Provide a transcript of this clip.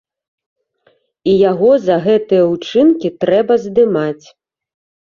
І яго за гэтыя ўчынкі трэба здымаць.